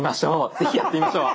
是非やってみましょう。